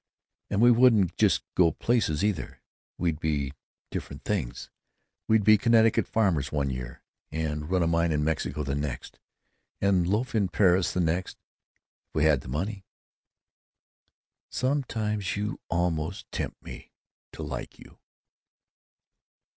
And we wouldn't just go places, either; we'd be different things. We'd be Connecticut farmers one year, and run a mine in Mexico the next, and loaf in Paris the next, if we had the money." "Sometimes you almost tempt me to like you."